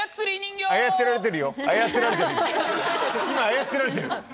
今操られてる。